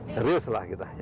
serius lah kita ya